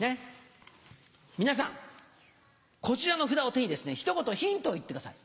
皆さん、こちらの札を手に、ひと言ヒントを言ってください。